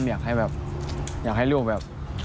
อยากให้แบบอยากให้ลูกแบบ